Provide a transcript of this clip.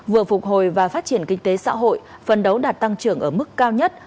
vừa phục hồi và phát triển kinh tế xã hội phân đấu đạt tăng trưởng ở mức cao nhất